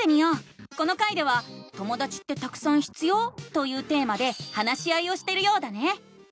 この回では「ともだちってたくさん必要？」というテーマで話し合いをしてるようだね！